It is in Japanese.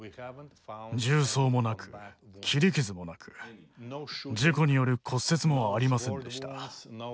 銃創もなく切り傷もなく事故による骨折もありませんでした。